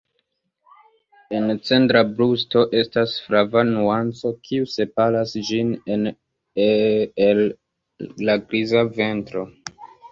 En centra brusto estas flava nuanco kiu separas ĝin el la griza ventro.